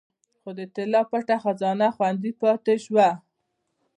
خو د طلا تپه خزانه خوندي پاتې شوه